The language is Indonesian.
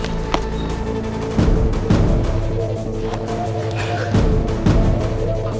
udah semua tau kenapa sih